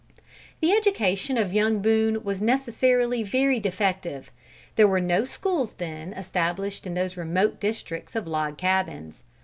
The education of young Boone was necessarily very defective. There were no schools then established in those remote districts of log cabins.